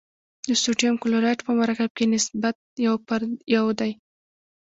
د سوډیم کلورایډ په مرکب کې نسبت یو پر یو دی.